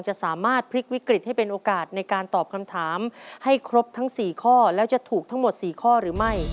จะสามารถพลิกวิกฤตให้เป็นโอกาสในการตอบคำถามให้ครบทั้ง๔ข้อแล้วจะถูกทั้งหมด๔ข้อหรือไม่